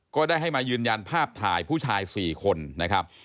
ก็ได้ให้มายืนยันภาพถ่ายผู้ชาย๔คนนะครับ